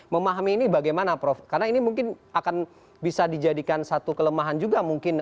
memahami ini bagaimana prof karena ini mungkin akan bisa dijadikan satu kelemahan juga mungkin